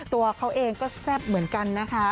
ตัวเขาเองก็แซ่บเหมือนกันนะคะ